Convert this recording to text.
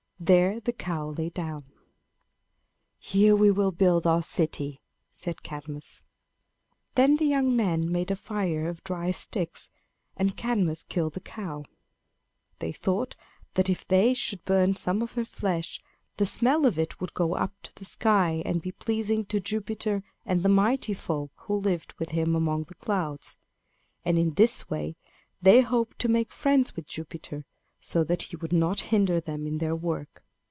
There the cow lay down. "Here we will build our city," said Cadmus. Then the young men made a fire of dry sticks, and Cadmus killed the cow. They thought that if they should burn some of her flesh, the smell of it would go up to the sky and be pleasing to Jupiter and the Mighty Folk who lived with him among the clouds; and in this way they hoped to make friends with Jupiter so that he would not hinder them in their work.